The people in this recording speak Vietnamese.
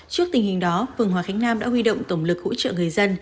trước tình hình đó phường hòa khánh nam đã huy động tổng lực hỗ trợ người dân